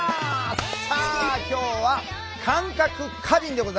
さあ今日は「感覚過敏」でございます。